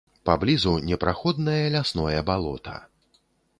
Паблізу непраходнае лясное балота.